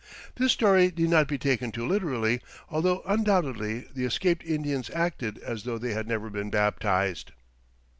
This story need not be taken too literally, although undoubtedly the escaped Indians acted as though they had never been baptized.